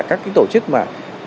các tổ chức mà